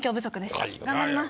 頑張ります